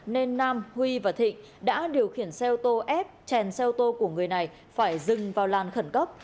nên nam huy và thịnh đã điều khiển xe ô tô ép chèn xe ô tô của người này phải dừng vào làn khẩn cấp